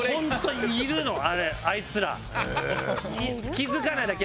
気付かないだけ。